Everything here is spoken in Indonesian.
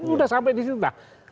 udah sampai disitu nah